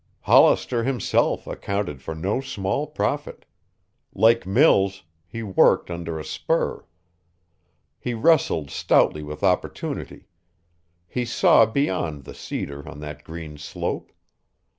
Hollister himself accounted for no small profit. Like Mills, he worked under a spur. He wrestled stoutly with opportunity. He saw beyond the cedar on that green slope.